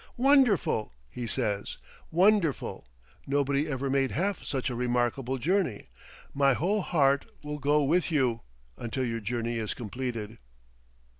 "Wonderful!" he says, "wonderful! nobody ever made half such a remarkable journey; my whole heart will go with you until your journey is completed."